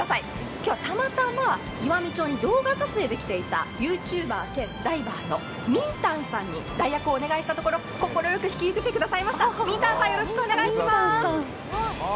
今日はたまたま岩美町に動画撮影で来ていたＹｏｕＴｕｂｅｒ兼ダイバーのｍｉｎｔａｎさんに代役をお願いしたところ、快く引き受けてくれました